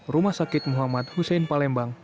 rumah sakit muhammad hussein palembang